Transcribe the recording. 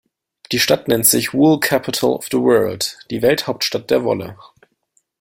Die Stadt nennt sich „Wool Capital of the World“, die Welthauptstadt der Wolle.